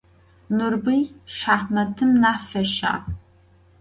Nurbıy şşaxmatım nah feşağ.